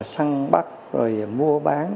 săn bắt rồi mua bán